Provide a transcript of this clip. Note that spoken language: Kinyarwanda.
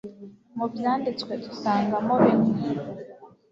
Mu Byanditswe dusangamo bimwe